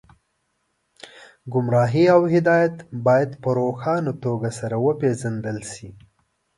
ګمراهي او هدایت باید په روښانه توګه سره وپېژندل شي